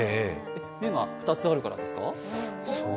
目が２つあるからですか？